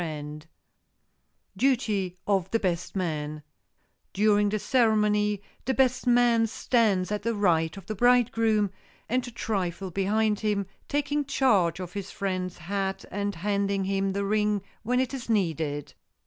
[Sidenote: DUTY OF THE BEST MAN] During the ceremony the best man stands at the right of the bridegroom, and a trifle behind him, taking charge of his friend's hat and handing him the ring when it is needed.